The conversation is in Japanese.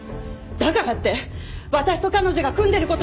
だからって私と彼女が組んでる事までなんで！？